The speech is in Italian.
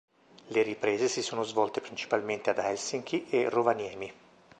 Le riprese si sono svolte principalmente ad Helsinki e Rovaniemi.